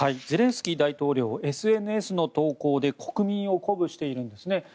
ゼレンスキー大統領ＳＮＳの投稿で国民を鼓舞しているんですね。